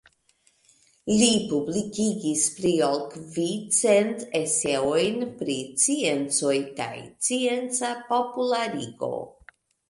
Li publikigis pli ol kvicent eseojn pri sciencoj kaj scienca popularigo.